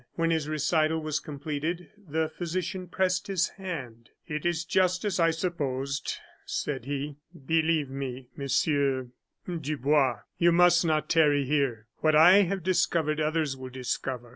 When his recital was completed, the physician pressed his hand. "It is just as I supposed," said he. "Believe me, Monsieur Dubois, you must not tarry here. What I have discovered others will discover.